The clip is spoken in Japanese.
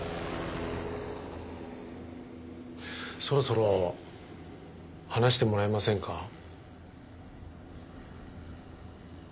そろそろ話してもらえませんか？